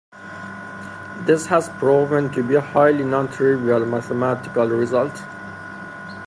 This has proven to be a highly non-trivial mathematical result.